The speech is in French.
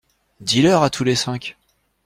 Dis-leur à tous les cinq.